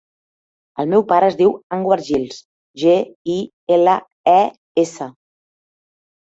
El meu pare es diu Anwar Giles: ge, i, ela, e, essa.